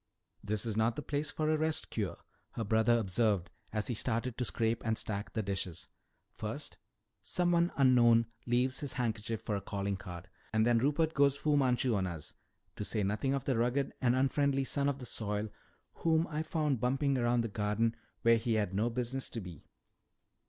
"This is not the place for a rest cure," her brother observed as he started to scrape and stack the dishes. "First someone unknown leaves his handkerchief for a calling card and then Rupert goes Fu Manchu on us. To say nothing of the rugged and unfriendly son of the soil whom I found bumping around the garden where he had no business to be."